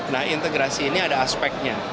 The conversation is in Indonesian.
nah integrasi ini ada aspeknya